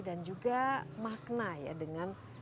dan juga makna ya dengan